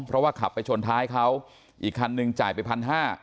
เพราะว่าขับไปชนท้ายเขาอีกคันนึงจ่ายไปพันห้า